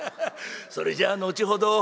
それじゃ後ほど」。